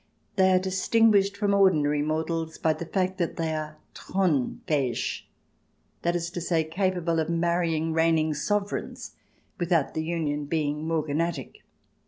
They are distinguished from ordinary mortals by the fact that they are Thron fahig — that is to say, capable of marrying reigning Sovereigns without the union being morganatic.